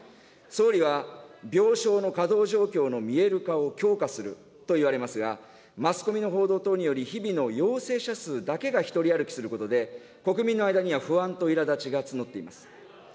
総理は、病床の稼働状況の見える化を強化するといわれますが、マスコミの報道等により日々の陽性者数だけが一人歩きすることで、国民の間には不安といらだちが募っています。